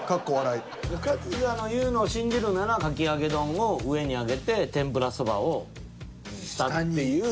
春日の言うのを信じるならかき揚げ丼を上に上げて天ぷらそばを下っていう。